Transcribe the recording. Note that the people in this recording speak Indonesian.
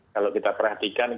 kalau kita perhatikan kan